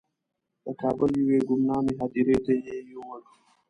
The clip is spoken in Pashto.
د کابل یوې ګمنامې هدیرې ته یې یووړ.